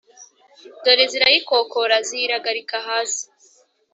dore zirayikokora ziyiragarika hasi,